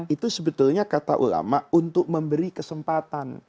itu sebetulnya kata ulama untuk memberi kesempatan